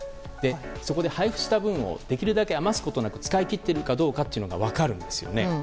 そこで配布した分をできるだけ余すことなく使い切っているかどうかが分かるんですよね。